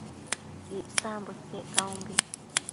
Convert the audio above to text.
Icsambo iquec caunbi